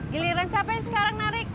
giliran siapa yang sekarang narik